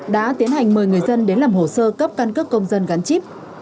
đã tiến hành mời người dân đến làm hồ sơ cấp căn cước công dân gắn chip